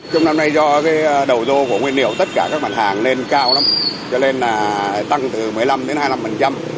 trong năm nay do đầu do của nguyên liệu tất cả các mặt hàng lên cao lắm